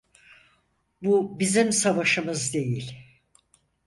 Bu bizim savaşımız değil.